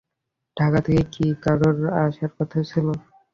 ঢাকা থেকে কি কারোর আসার কথা ছিল?